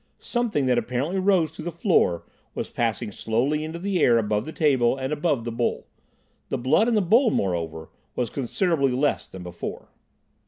Something that apparently rose through the floor was passing slowly into the air above the table and above the bowl. The blood in the bowl, moreover, was considerably less than before.